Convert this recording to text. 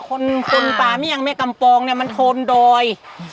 คนคนป่าเมี่ยงแม่กำปองเนี่ยมันโทนดอย